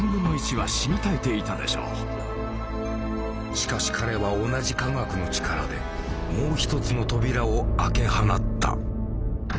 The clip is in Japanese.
しかし彼は同じ化学の力でもう一つの扉を開け放った。